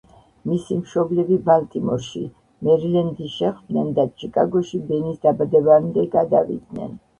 მისი მშობლები ბალტიმორში, მერილენდი, შეხვდნენ და ჩიკაგოში ბენის დაბადებამდე გადავიდნენ.